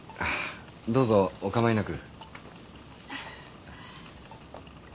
どうぞお構いなく。